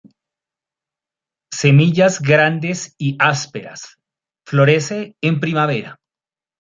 Semillas grandes y ásperas. Florece en primavera.